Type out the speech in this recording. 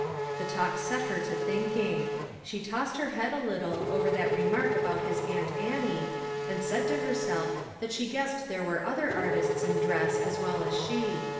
The talk set her to thinking. She tossed her head a little over that remark about his Aunt Annie, and said to herself that she guessed there were other artists in dress as well as she.